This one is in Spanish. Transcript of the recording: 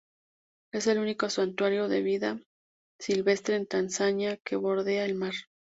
Es el único santuario de vida silvestre en Tanzania que bordea el mar.